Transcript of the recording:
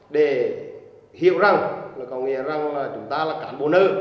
để hiểu rằng là có nghĩa rằng là chúng ta là cán bộ nữ